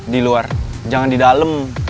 di luar jangan di dalam